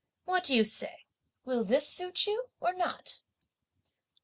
What do you say; will this suit you or not?"